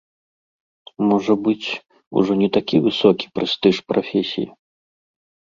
Можа быць, ужо не такі высокі прэстыж прафесіі.